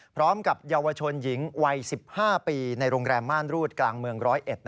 พร้อมกับเยาวชนหญิงวัย๑๕ปีในโรงแรมม่านรูดกลางเมือง๑๐๑